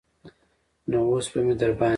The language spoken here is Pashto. نو اوس به مې درباندې.